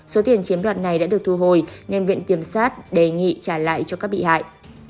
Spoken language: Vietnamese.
số tiền chiếm đoạt này đã được thu hồi nên viện kiểm sát đề nghị trả lại cho các bị hại